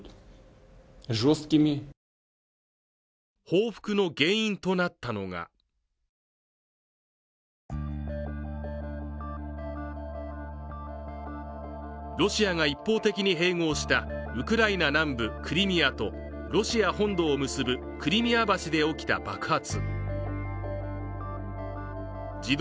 報復の原因となったのがロシアが一方的に併合したウクライナ南部クリミアとロシア本土を結ぶクリミア橋で起きた爆発。